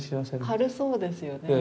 軽そうですよね。